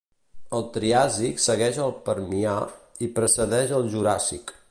El Triàsic segueix el Permià i precedeix el Juràssic.